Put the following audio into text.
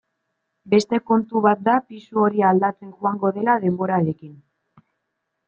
Beste kontu bat da pisu hori aldatzen joango dela denborarekin.